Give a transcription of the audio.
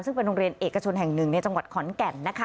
ซึ่งเป็นโรงเรียนเอกชนแห่งหนึ่งในจังหวัดขอนแก่นนะคะ